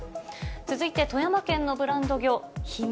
続いて富山県のブランド魚、ひみ